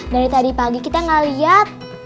dari tadi pagi kita nggak liat